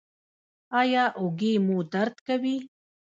ایا اوږې مو درد کوي؟